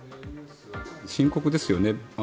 深刻ですよね。